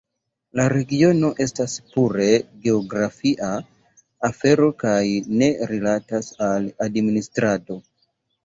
La regiono estas pure geografia afero kaj ne rilatas al administrado.